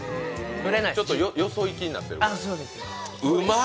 ちょっとよそ行きになってる、うまっ。